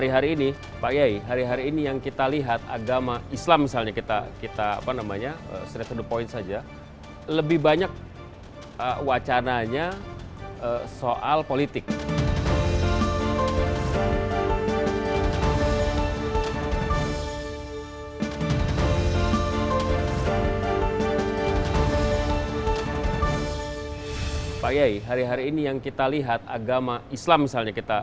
hari hari ini pak yayi hari hari ini yang kita lihat agama islam misalnya kita